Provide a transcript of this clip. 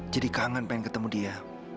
jadi kangen pengen ketemu dia